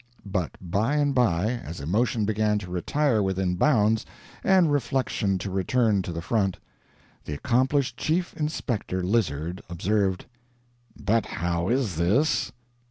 But by and by, as emotion began to retire within bounds, and reflection to return to the front, the accomplished Chief Inspector Lizard observed: "But how is this?